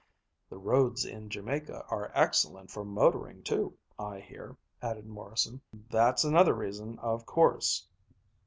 "The roads in Jamaica are excellent for motoring, too, I hear," added Morrison. "That's another reason, of course."